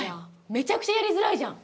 めちゃくちゃやりづらいじゃん。